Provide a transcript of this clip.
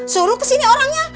suruh kesini orangnya